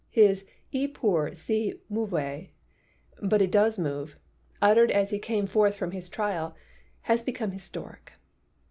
His "E pur si muove" (But it does move !), uttered as he came forth from his trial, has become historic.